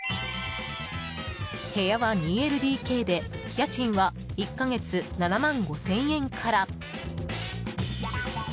部屋は２ＬＤＫで家賃は１か月７万５０００円から。